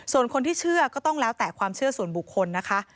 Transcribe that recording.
ส่วนคนที่เชื่อก็ต้องแล้วแต่ความเชื่อส่วนบุคคลนะคะ